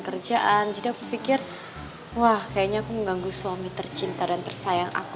kerjaan jadi aku pikir wah kayaknya aku mengganggu suami tercinta dan tersayang aku